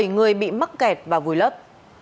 bảy người bị mắc kẹt và vùi lấp